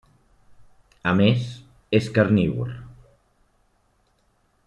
A més, és carnívor.